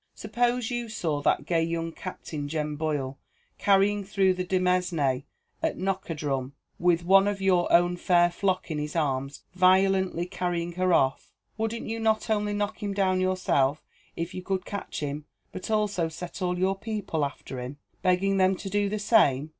"Suppose you saw that gay young Captain Jem Boyle hurrying through the demesne at Knockadrum with one of your own fair flock in his arms, violently carrying her off, wouldn't you not only knock him down yourself, if you could catch him; but also set all your people after him, begging them to do the same?